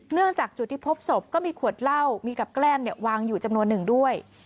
จากจุดที่พบศพก็มีขวดเหล้ามีกับแกล้มวางอยู่จำนวนหนึ่งด้วย